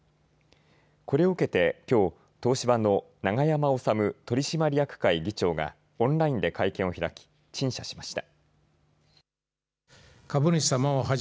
これを受けてきょう東芝の永山治取締役会議長がオンラインで会見を開き陳謝しました。